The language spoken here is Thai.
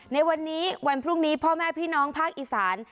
ในวันนี้วันพรุ่งนี้พ่อแม่พี่น้องภาคอีสาน